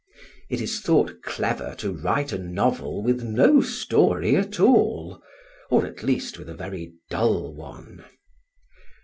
It is thought clever to write a novel with no story at all, or at least with a very dull one.